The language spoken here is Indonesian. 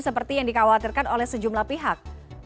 seperti yang dikhawatirkan oleh sejumlah pihak